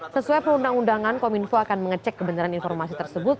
sesuai perundang undangan kominfo akan mengecek kebenaran informasi tersebut